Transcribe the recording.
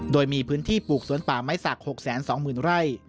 โดยมีพื้นที่ปลูกสวนป่าไม้สัก๖๒๐๐๐ไร่